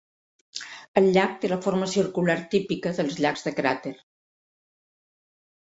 El llac té la forma circular típica dels llacs de cràter.